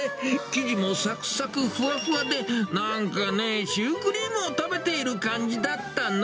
生地もさくさくふわふわで、なーんかね、シュークリームを食べている感じだったな。